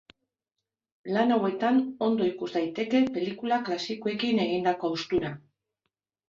Lan hauetan ondo ikus daiteke pelikula klasikoekin egindako haustura.